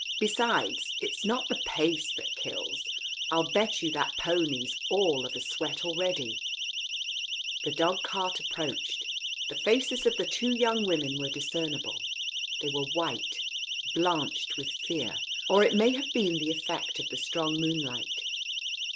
" Besides, it's not the pace that kills I I'll bet you that pony's all of a sweat already I " The dog cart approached. The faces of the two young women were discernible. They were white — blanched with fear, or it may have been the effect of the strong moonlight.